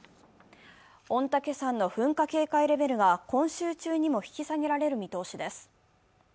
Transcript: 御嶽山の噴火警戒レベルが今週中にも引き下げられる見通しです。